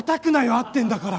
合ってるんだから。